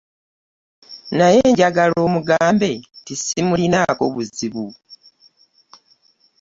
Naye njagala omugambe nti ssimulinaako buzibu.